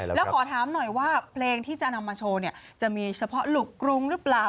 แล้วขอถามหน่อยว่าเพลงที่จะนำมาโชว์เนี่ยจะมีเฉพาะหลุกกรุงหรือเปล่า